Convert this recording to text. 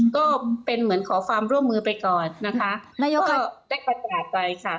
ก็เป็นเหมือนขอความร่วมมือไปก่อนนะคะนายกก็ได้ประกาศไปค่ะ